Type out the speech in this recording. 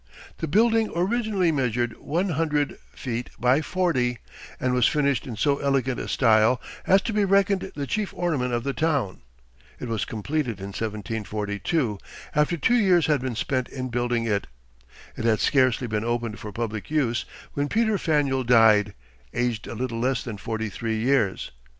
The building originally measured one hundred feet by forty, and was finished in so elegant a style as to be reckoned the chief ornament of the town. It was completed in 1742, after two years had been spent in building it. It had scarcely been opened for public use when Peter Faneuil died, aged a little less than forty three years.